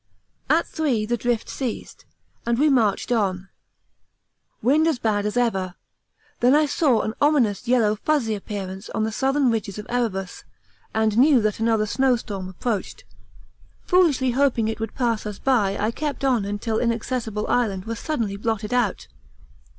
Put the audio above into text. At 3 the drift ceased, and we marched on, wind as bad as ever; then I saw an ominous yellow fuzzy appearance on the southern ridges of Erebus, and knew that another snowstorm approached. Foolishly hoping it would pass us by I kept on until Inaccessible Island was suddenly blotted out.